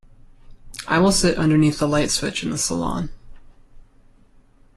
I will sit underneath the light switch in the salon.